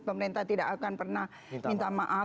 pemerintah tidak akan pernah minta maaf